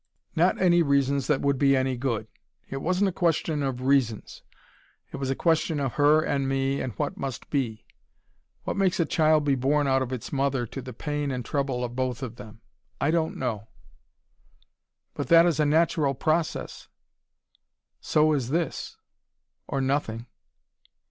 "Not any reasons that would be any good. It wasn't a question of reasons. It was a question of her and me and what must be. What makes a child be born out of its mother to the pain and trouble of both of them? I don't know." "But that is a natural process." "So is this or nothing."